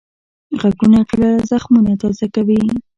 غږونه کله زخمونه تازه کوي